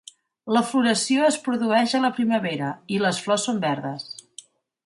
La floració es produeix a la primavera i les flors són verdes.